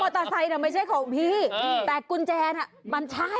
เตอร์ไซค์ไม่ใช่ของพี่แต่กุญแจน่ะมันใช่